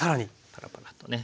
パラパラッとね。